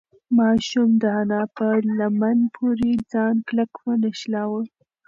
ماشوم د انا په لمن پورې ځان کلک ونښلاوه.